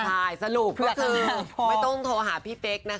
ใช่สรุปก็คือไม่ต้องโทรหาพี่เป๊กนะคะ